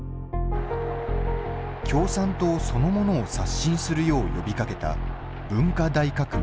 共産党そのものを刷新するよう呼びかけた文化大革命。